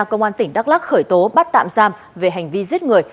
công an tỉnh đắk lắc khởi tố bắt tạm giam về hành vi giết người